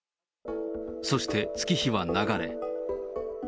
そして、月日は流れ。